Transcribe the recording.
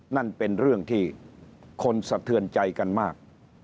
นั่นเป็นเรื่องที่คนสะเทือนใจกันมาก